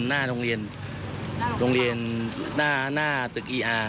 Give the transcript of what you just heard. หน้าโรงเรียนหน้าตึกอีอาร์